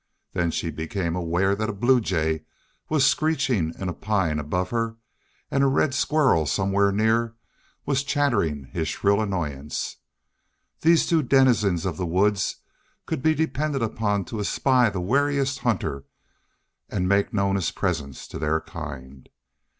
Then she became aware that a blue jay was screeching in a pine above her, and a red squirrel somewhere near was chattering his shrill annoyance. These two denizens of the woods could be depended upon to espy the wariest hunter and make known his presence to their kind.